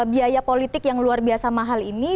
biaya politik yang luar biasa mahal ini